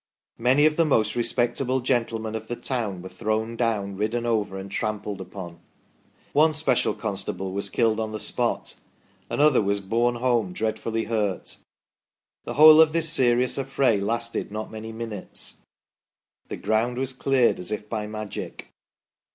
Many of the most respectable gentlemen of the town were thrown down, ridden over and trampled upon. One special constable was killed on the spot ; another was borne home dreadfully hurt. The whole of this serious affray lasted not many minutes. The ground was cleared as if by magic."